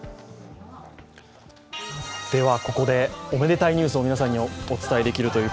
ここで、おめでたいニュースを皆さんにお伝えできます。